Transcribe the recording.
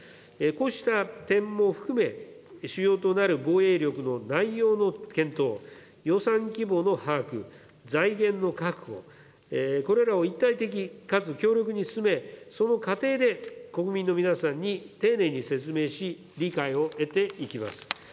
こうした点も含め、主要となる防衛力の内容の検討、予算規模の把握、財源の確保、これらを一体的かつ強力に進め、その過程で国民の皆さんに丁寧に説明し、理解を得ていきます。